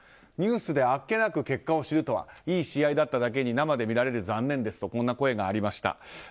ニュースであっけなく結果を知るとはいい試合だっただけに生で見られる残念ですという声がありました。